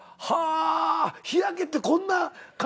日焼けってこんな感じなんだ。